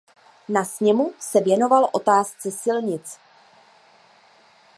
Na sněmu se věnoval otázce silnic.